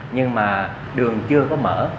nhưng mà đường chưa có mở